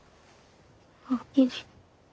おおきに。